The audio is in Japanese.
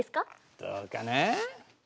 どうかな？